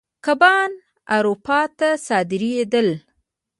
کبان اروپا ته صادرېدل.